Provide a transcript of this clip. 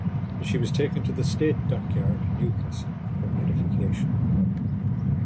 She was taken to the State Dockyard, Newcastle for modification.